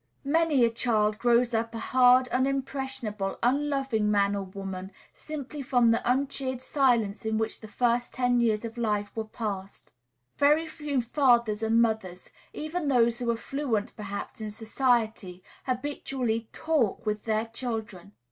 Many a child grows up a hard, unimpressionable, unloving man or woman simply from the uncheered silence in which the first ten years of life were passed. Very few fathers and mothers, even those who are fluent, perhaps, in society, habitually talk with their children.